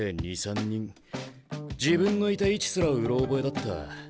自分のいた位置すらうろ覚えだった。